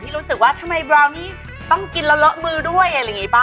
รู้สึกว่าทำไมบราวนี่ต้องกินแล้วเลอะมือด้วยอะไรอย่างนี้ป่ะ